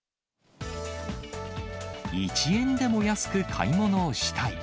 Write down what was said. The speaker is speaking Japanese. １円でも安く買い物をしたい。